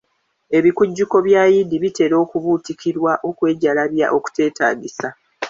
Ebikujjuko bya yidi bitera okubuutikirwa okwejalabya okuteetaagisa